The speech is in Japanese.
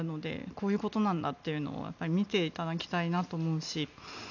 こういうことなんだっていうのを見ていただきたいなと思うし。